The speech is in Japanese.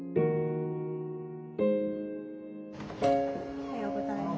おはようございます。